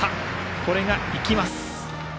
これが生きます。